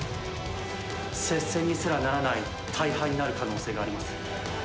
接戦にすらならない大敗になる可能性があります。